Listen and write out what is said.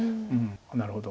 なるほど。